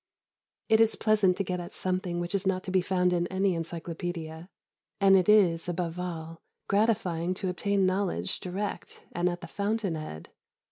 It is pleasant to get at something which is not to be found in any encyclopædia, and it is, above all, gratifying to obtain knowledge direct and at the fountain head.